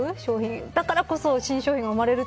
だからこそ新商品が生まれるって